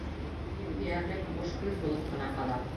Илһөйәрлек буш һүҙ булып ҡына ҡала.